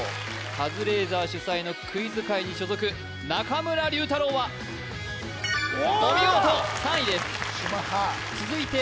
カズレーザー主宰のクイズ会に所属中村竜太郎はお見事３位です続いて